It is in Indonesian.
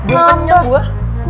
belum kenyang gue